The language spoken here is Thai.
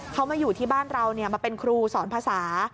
เขามาอยู่ที่บ้านเรามาเป็นครูสอนภาษา